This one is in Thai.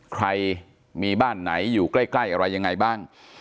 ใครมีบ้านไหนอยู่ใกล้อะไรยังไงบ้าง